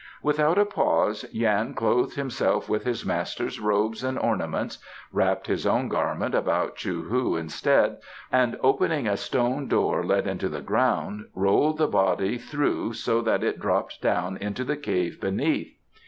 Without a pause Yan clothed himself with his master's robes and ornaments, wrapped his own garment about Chou hu instead, and opening a stone door let into the ground rolled the body through so that it dropped down into the cave beneath.